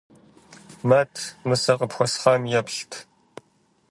Мэт, мы сэ къыпхуэсхьам еплъыт.